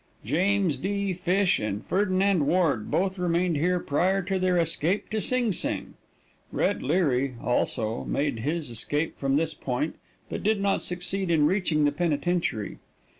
James D. Fish and Ferdinand Ward both remained here prior to their escape to Sing Sing. Red Leary, also, made his escape from this point, but did not succeed in reaching the penitentiary.